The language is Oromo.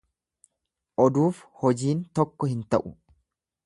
Oduuf hojiin tokko hin ta'u.